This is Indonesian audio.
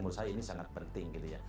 menurut saya ini sangat penting gitu ya